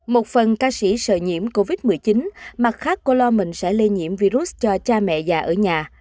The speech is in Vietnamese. một phần ca sĩ sợ nhiễm covid một mươi chín mặt khác cô lo mình sẽ lây nhiễm virus cho cha mẹ già ở nhà